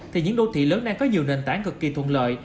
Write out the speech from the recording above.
thì những đô thị lớn đang có nhiều nền tảng cực kỳ thuận lợi